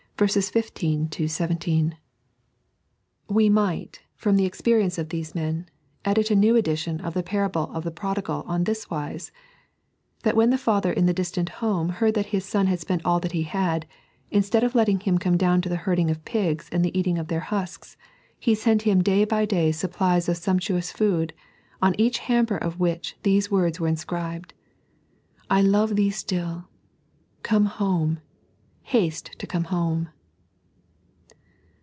16 17). 3.a.t.zsdt,y Google 96 "Pbrfbct as God." We might, fi'oni the experience of these men, edit a new edition of the parable of the Prodigal on this wise : that when the father in the distant home heard that his son had spent all that he had, instead of letting him come down to the herding of pigs and the eating of their husks, he sent him day by day supplies of sumptuous food, on each hamper of which these words were inscribed, " I love thee still ; come home, haste to come home."